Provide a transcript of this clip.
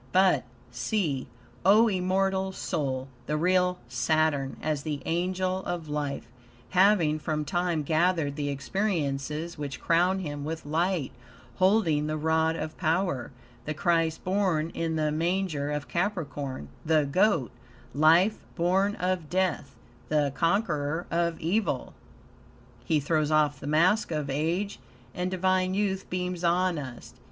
But see, O immortal soul, the real Saturn, as the Angel of Life, having from time gathered the experiences which crown him with light, holding the rod of power; the Christ born in the manger of Capricorn, the Goat life born of death; the conqueror of evil. He throws off the mask of age, and divine youth beams on us.